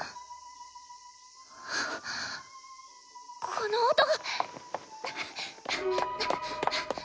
・この音！